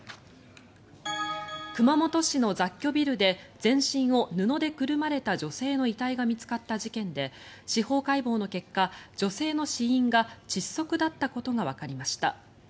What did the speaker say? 熊本市の雑居ビルで全身を布でくるまれた女性の遺体が見つかった事件で司法解剖の結果、女性の死因が窒息だったことがわかりました。